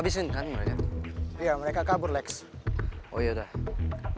mantengnya lebih kental